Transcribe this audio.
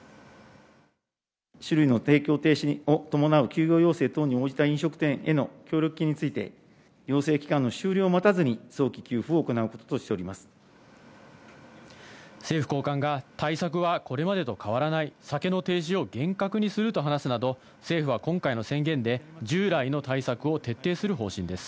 酒類の提供停止を伴う休業要請等に応じた飲食店への協力金について、要請期間の終了を待たずに、早期給付を行うこととしておりま政府高官が、対策はこれまでと変わらない、酒の停止を厳格にすると話すなど、政府は今回の宣言で、従来の対策を徹底する方針です。